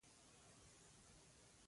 آهنګر ودرېد او حسن خان ته یې تعظیم وکړ.